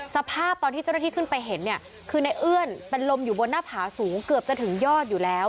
สภาพตอนที่เจ้าหน้าที่ขึ้นไปเห็นเนี่ยคือในเอื้อนเป็นลมอยู่บนหน้าผาสูงเกือบจะถึงยอดอยู่แล้ว